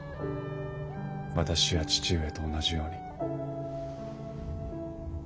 私や父上と同じように。